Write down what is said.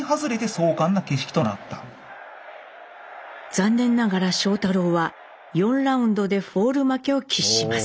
残念ながら庄太郎は４ラウンドでフォール負けを喫します。